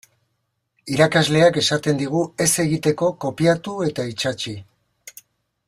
Irakasleak esaten digu ez egiteko kopiatu eta itsatsi.